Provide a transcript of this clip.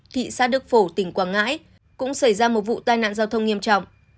thị xã đức phổ tỉnh quảng ngãi cũng xảy ra một vụ tai nạn giao thông nghiêm trọng